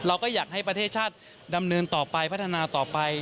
เราก็อยากให้ประเทศชาติดำเนินต่อไปพัฒนาต่อไป